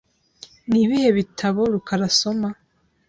Ni ibihe bitabo rukara asoma?